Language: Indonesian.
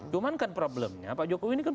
cuman kan problemnya pak jokowi ini kan